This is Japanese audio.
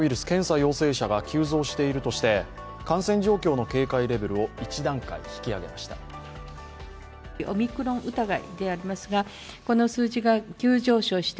検査陽性者が急増しているとして、感染状況の警戒レベルを１段階引き上げました。